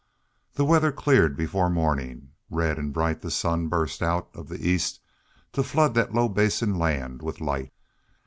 The weather cleared before morning. Red and bright the sun burst out of the east to flood that low basin land with light.